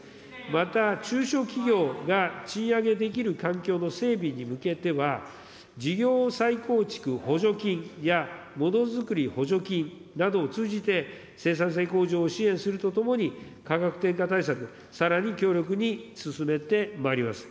また、中小企業が賃上げできる環境の整備に向けては、事業再構築補助金や、ものづくり補助金などを通じて、生産性向上を支援するとともに、価格転嫁対策、さらに強力に進めてまいります。